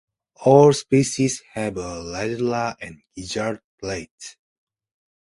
All species have a radula and gizzard plates.